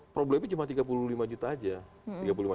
problemnya cuma tiga puluh lima juta aja